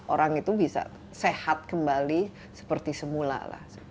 orang itu bisa sehat kembali seperti semula lah